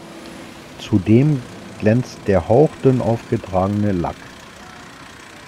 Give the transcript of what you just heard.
Zudem glänzt der hauchdünn aufgetragene Lack.